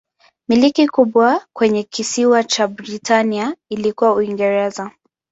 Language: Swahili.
Milki kubwa kwenye kisiwa cha Britania ilikuwa Uingereza.